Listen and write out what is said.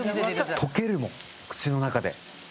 溶けるもん口の中で。